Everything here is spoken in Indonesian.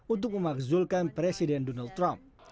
untuk memakzulkan presiden donald trump